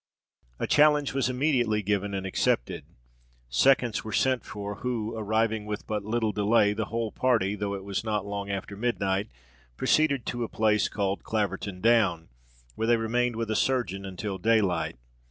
A challenge was immediately given and accepted. Seconds were sent for, who, arriving with but little delay, the whole party, though it was not long after midnight, proceeded to a place called Claverton Down, where they remained with a surgeon until daylight.